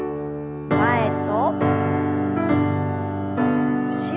前と後ろへ。